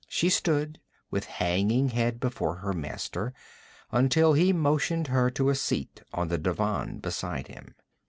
She stood with hanging head before her master until he motioned her to a seat on the divan beside him.